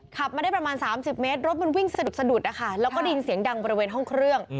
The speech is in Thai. ขับมาได้ประมาณ๓๐เมตรรถมันวิ่งสะดุดนะคะแล้วก็ได้ยินเสียงดังบริเวณห้องเครื่อง